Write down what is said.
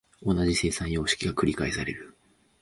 同じ生産様式が繰返される。